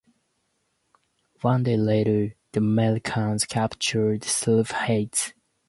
One day later, the Americans captured Silva Heights.